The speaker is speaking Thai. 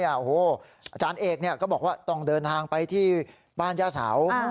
โอ้โหอาจารย์เอกก็บอกว่าต้องเดินทางไปที่บ้านย่าเสา